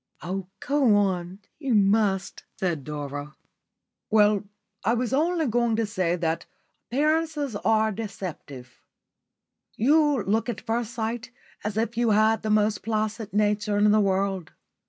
"Oh, go on, you must," said Dora. "Well, I was only going to say that appearances are deceptive. You look at first sight as if you had the most placid nature in the world.